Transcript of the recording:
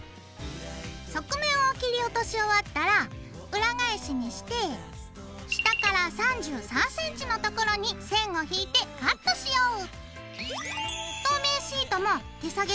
側面を切り落とし終わったら裏返しにして下から３３ｃｍの所に線を引いてカットしよう。